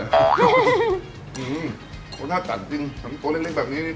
หืมรสชาติจัดจริงทั้งต้นเล็กแบบนี้ปรุงจันก่อนนะเนี่ย